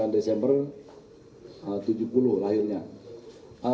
dua puluh sembilan desember tujuh puluh lahirnya